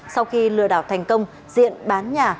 sau khi lừa đảo thành công diện bán nhà